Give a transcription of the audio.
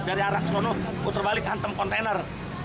dari arah ke sana putar balik hantam kontainer